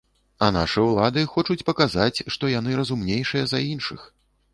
А нашы ўлады хочуць паказаць, што яны разумнейшыя за іншых.